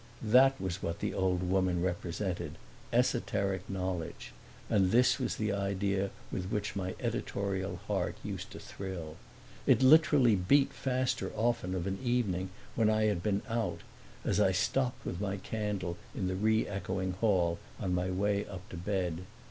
That was what the old woman represented esoteric knowledge; and this was the idea with which my editorial heart used to thrill. It literally beat faster often, of an evening, when I had been out, as I stopped with my candle in the re echoing hall on my way up to bed.